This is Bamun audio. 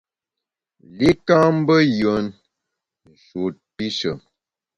Li ka mbe yùen, nshut pishe.